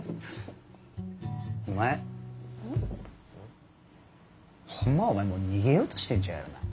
お前ホンマはお前逃げようしてんちゃうやろな？